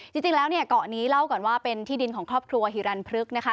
คราวนี้เกาะนี้เล่าก่อนว่าเป็นที่ดินของครอบครัวฮิรันท์พลึกนะคะ